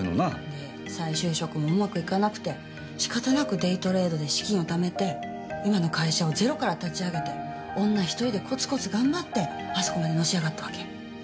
で再就職もうまくいかなくて仕方なくデイトレードで資金を貯めて今の会社をゼロから立ち上げて女１人でコツコツ頑張ってあそこまでのし上がったわけ。